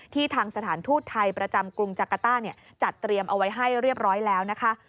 ทางสถานทูตไทยประจำกรุงจักรต้าจัดเตรียมเอาไว้ให้เรียบร้อยแล้วนะคะ